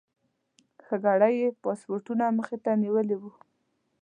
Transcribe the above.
ښه ګړی یې پاسپورټونه مخې ته نیولي ول.